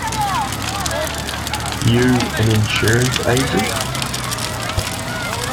You an insurance agent?